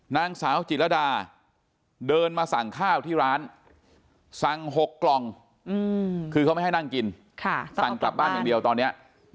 นางสาวจิตรดาเดินมาสั่งข้าวที่ร้านสั่ง๖กล่องคือเขาไม่ให้นั่งกินสั่งกลับบ้านอย่างเดียวตอนนี้